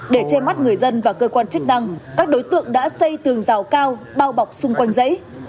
để che mắt người dân và cơ quan chức năng các đối tượng đã xây tường rào cao bao bọc xung quanh giấy